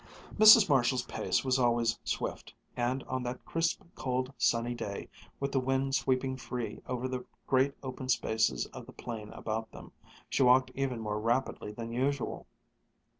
Mrs. Marshall's pace was always swift, and on that crisp, cold, sunny day, with the wind sweeping free over the great open spaces of the plain about them, she walked even more rapidly than usual.